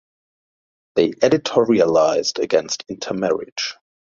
They editorialized against intermarriage.